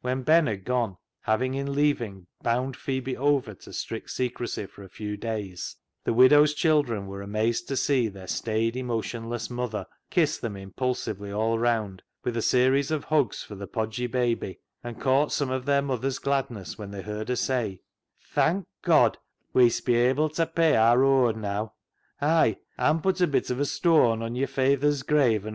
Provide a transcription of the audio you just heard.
When Ben had gone, having in leaving bound Phebe over to strict secrecy for a few days, the widow's children were amazed to see their staid, emotionless mother kiss them im pulsively all round, with a series of hugs for the podgy baby, and caught some of their mother's gladness when they heard her say —" Thank God, wee'st be able ta pay aar rooad naa, ay, an' put a bit of a stooan on yer fayther's grave an' aw."